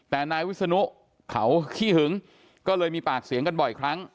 แต่นายวิศนุเขาขี้หึงก็เลยมีปากเสียงกันบ่อยครั้ง